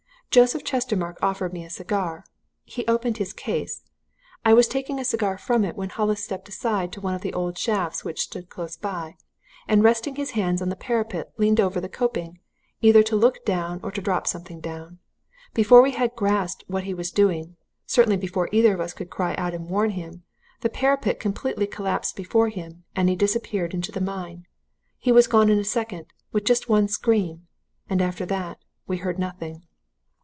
Joseph Chestermarke offered me a cigar. He opened his case. I was taking a cigar from it when Hollis stepped aside to one of the old shafts which stood close by, and resting his hands on the parapet leaned over the coping, either to look down or to drop something down. Before we had grasped what he was doing, certainly before either of us could cry out and warn him, the parapet completely collapsed before him and he disappeared into the mine! He was gone in a second with just one scream. And after that we heard nothing.